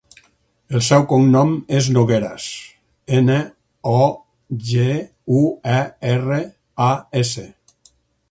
El seu cognom és Nogueras: ena, o, ge, u, e, erra, a, essa.